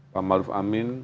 pak maruf amin